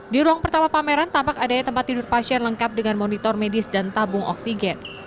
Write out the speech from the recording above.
di ruang pertama pameran tampak adanya tempat tidur pasien lengkap dengan monitor medis dan tabung oksigen